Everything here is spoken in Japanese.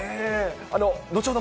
後ほど